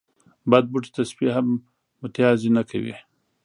بد بوټي ته سپي هم متازې نه کوي.